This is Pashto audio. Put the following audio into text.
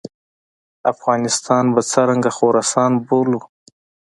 افغانستان به څرنګه خراسان بولو.